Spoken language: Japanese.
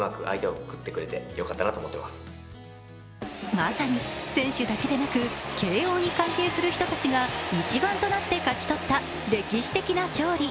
まさに選手だけでなく慶応に関係する人たちが一丸となって勝ち取った歴史的な勝利。